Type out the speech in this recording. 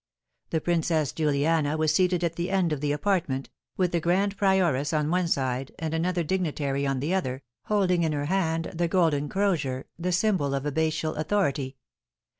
The Princess Juliana was seated at the end of the apartment, with the grand prioress on one side and another dignitary on the other, holding in her hand the golden crozier, the symbol of abbatial authority.